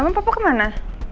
mama papa kemana